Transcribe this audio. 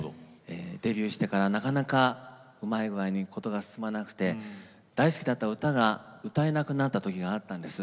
デビューしてからなかなかうまい具合に事が進まなくて大好きだった歌が歌えなくなった時があったんです。